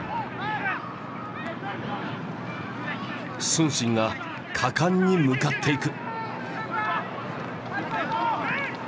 承信が果敢に向かっていく。